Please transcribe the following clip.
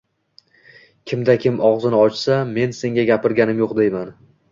Kimda-kim og‘zini ochsa... men senga gapirganim yo‘q, deyman...